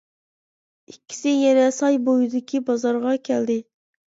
ئىككىسى يەنە ساي بويىدىكى بازارغا كەلدى.